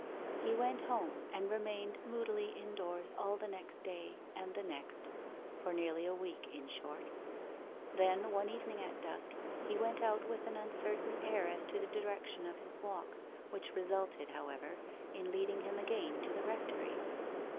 He went home and remained moodily indoors all the next day and the next for nearly a week, in short. Then, one evening at dusk, he went out with an uncertain air as to the direction of his walk, which resulted, however, in leading him again to the rectory.